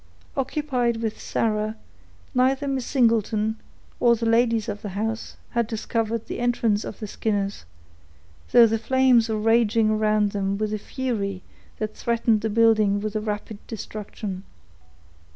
Occupied with Sarah, neither Miss Singleton, nor the ladies of the house, had discovered the entrance of the Skinners, though the flames were raging around them with a fury that threatened the building with rapid destruction.